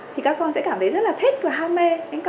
thì các con sẽ cảm thấy rất là thích và ham mê